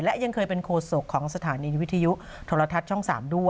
และยังเคยเป็นโคสกสถานีวิทยุธรรทัศน์ช่อง๓